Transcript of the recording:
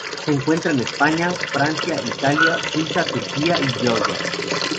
Se encuentra en España, Francia, Italia, Suiza, Turquía y Georgia.